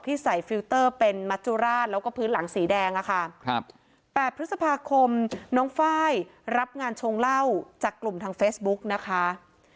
ใส่ฟิลเตอร์เป็นมัจจุราชแล้วก็พื้นหลังสีแดงอะค่ะครับ๘พฤษภาคมน้องไฟล์รับงานชงเหล้าจากกลุ่มทางเฟซบุ๊กนะคะ